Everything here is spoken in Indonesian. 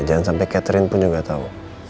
jangan sampai catherine pun juga tahu